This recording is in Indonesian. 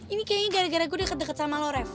ini kayaknya gara gara gue udah kedeket sama lo rev